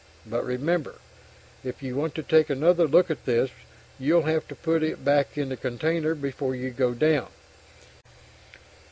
But remember, if you want to take another look at this, you'll have to put it back in the container before you go "down."